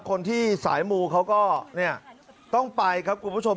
คนที่สายมูเขาก็ต้องไปครับคุณผู้ชม